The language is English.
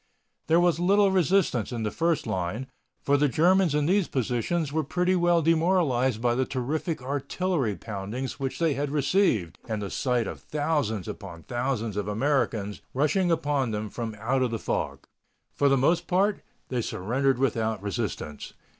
There was little resistance in the first line, for the Germans in these positions were pretty well demoralized by the terrific artillery pounding which they had received and the sight of thousands upon thousands of Americans rushing upon them from out of the fog. For the most part they surrendered without resistance.